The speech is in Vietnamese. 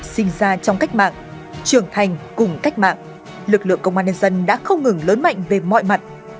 sinh ra trong cách mạng trưởng thành cùng cách mạng lực lượng công an nhân dân đã không ngừng lớn mạnh về mọi mặt